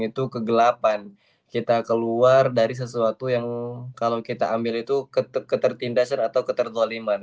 itu kegelapan kita keluar dari sesuatu yang kalau kita ambil itu ketertindasan atau keterdoliman